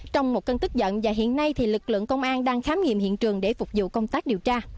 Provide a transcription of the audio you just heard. trong một cân tức giận và hiện nay lực lượng công an đang khám nghiệm hiện trường để phục vụ công tác điều tra